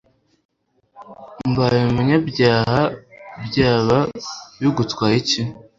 mbaye umunyabyaha, byaba bigutwaye iki